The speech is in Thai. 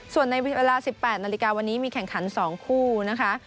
ส่วนในเวลา๑๘นาฬิกาวันนี้มีแข่งขัน๒คู่นะคะ